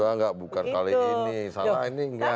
enggak bukan kali ini